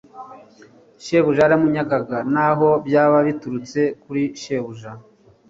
shebuja yaramunyagaga, naho byaba biturutse kuri shebuja